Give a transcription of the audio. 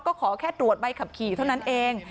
ก็ขอแค่ตรวจใบขับขี่เท่านั้นเอง